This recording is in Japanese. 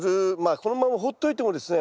このままほっておいてもですね